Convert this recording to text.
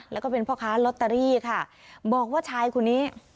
แล้วก็เป็นพ่อค้าลอตเตอรี่ค่ะบอกว่าชายคนนี้